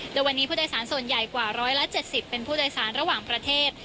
โดยวันนี้ผู้โดยสารส่วนใหญ่กว่า๑๗๐เป็นผู้โดยสารระหว่างประเทศ